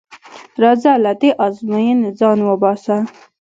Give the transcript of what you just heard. راځه له دې ازموینې ځان وباسه.